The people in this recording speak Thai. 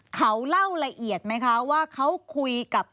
เขาเล่าละเอียดไหมคะว่าเขาคุยกับ